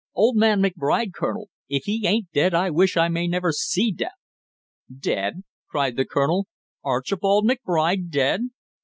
"Old man McBride, Colonel if he ain't dead I wish I may never see death!" "Dead!" cried the colonel. "Archibald McBride dead!"